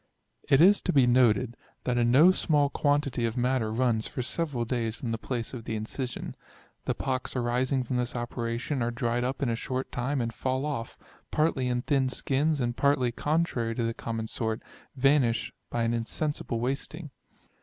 It is to be noted, that a no small quantity of matter runs for several days from the place of the incision. The pocks arising from this operation are dried up in a short time, and fall oflT, partly in thin skins, and partly contrary to the common sort, vanish by an insensible wasting.